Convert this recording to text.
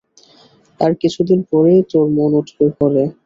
আর কিছুদিন পরেই তোর মন উঠবে ভরে।